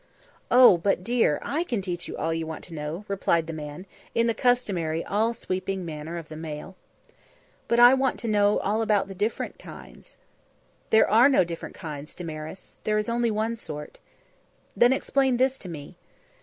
"Oh! but, dear, I can teach you all you want to know," replied the man, in the customary all sweeping manner of the male. "But I want to know all about the different kinds." "There are no different kinds, Damaris. There is only one sort." "Then explain this to me."